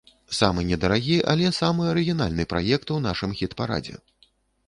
Самы недарагі, але самы арыгінальны праект у нашым хіт-парадзе.